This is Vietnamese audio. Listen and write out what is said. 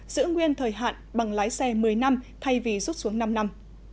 giữ nguyên thời hạn bằng lái xe một mươi năm thay vì rút xuống năm năm